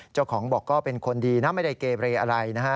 เจ้าของบอกก็เป็นคนดีนะไม่ได้เกเรอะไรนะฮะ